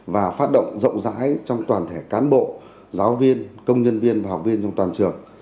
và phát động rộng rãi trong toàn thể cán bộ giáo viên công nhân viên và học viên trong toàn trường